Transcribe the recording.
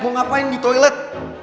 mau ngapain di toilet